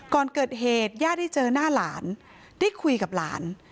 ก่อนเกิดเหตุย่าได้เจอหน้าหลานได้คุยกับหลาน